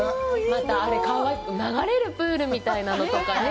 またあれ、川って、流れるプールみたいなのとかね。